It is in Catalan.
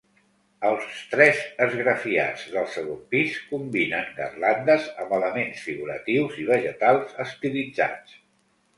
Els tres esgrafiats del segon pis combinen garlandes amb elements figuratius i vegetals estilitzats.